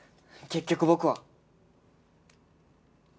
結局僕は。